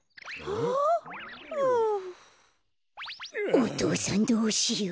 お父さんどうしよう。